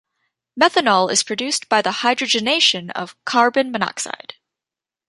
Methanol is produced by the hydrogenation of carbon monoxide.